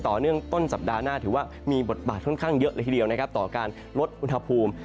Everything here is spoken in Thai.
ต้นสัปดาห์หน้าถือว่ามีบทบาทค่อนข้างเยอะเลยทีเดียวนะครับต่อการลดอุณหภูมิ